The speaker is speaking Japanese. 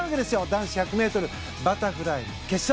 男子１００ｍバタフライ決勝。